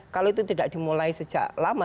kalau itu tidak dimulai sejak lama